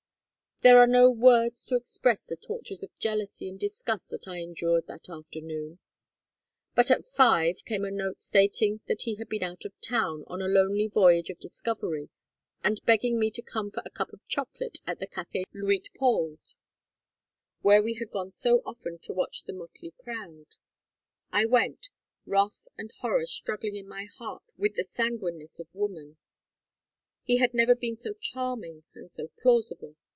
"There are no words to express the tortures of jealousy and disgust that I endured that afternoon. But at five came a note stating that he had been out of town on a lonely voyage of discovery, and begging me to come for a cup of chocolate at the Café Luitpold where we had gone so often to watch the motley crowd. I went, wrath and horror struggling in my heart with the sanguineness of woman. He had never been so charming and so plausible.